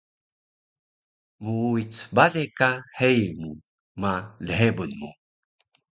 Muuwic bale ka heyi mu ma lhebun mu